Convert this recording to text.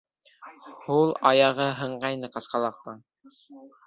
Һул аяғы һынғайны ҡасҡалаҡтың.